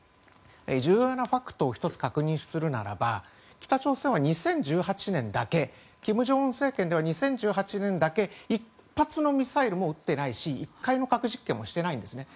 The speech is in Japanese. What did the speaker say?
重要なファクトを１つ確認するならば北朝鮮は２０１８年だけ金正恩政権では２０１８年だけ一発のミサイルも撃ってないし１回も核実験をしていないんです。